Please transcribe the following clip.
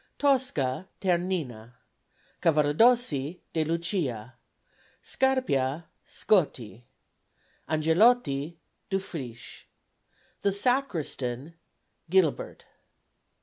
Tosca TERNINA. Cavaradossi DE LUCIA. Scarpia SCOTTI. Angelotti DUFRICHE. The Sacristan GILIBERT.